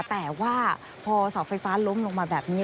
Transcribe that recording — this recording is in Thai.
แต่ว่าพอเสาไฟฟ้าล้มลงมาแบบนี้